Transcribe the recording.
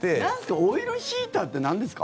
オイルヒーターってなんですか？